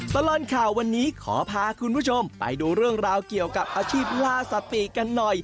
ตลอดข่าววันนี้ขอพาคุณผู้ชมไปดูเรื่องราวเกี่ยวกับอาชีพลาสติกันหน่อย